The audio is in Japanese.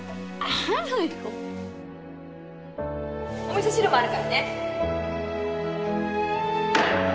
お味噌汁もあるからね